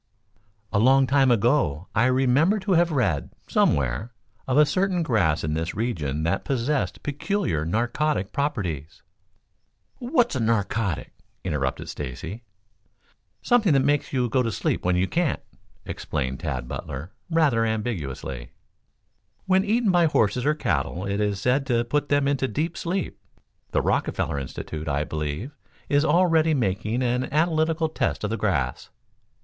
"A long time ago I remember to have read, somewhere, of a certain grass in this region that possessed peculiar narcotic properties " "What's narcotic?" interrupted Stacy. "Something that makes you go to sleep when you can't," explained Tad Butler, rather ambiguously. "When eaten by horses or cattle it is said to put them into deep sleep. The Rockefeller Institute, I believe, is already making an analytical test of the grass."